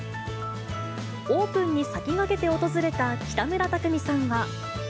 オープンに先駆けて訪れた北村匠海さんは。